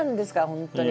本当に。